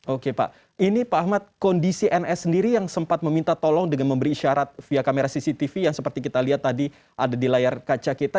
oke pak ini pak ahmad kondisi ns sendiri yang sempat meminta tolong dengan memberi isyarat via kamera cctv yang seperti kita lihat tadi ada di layar kaca kita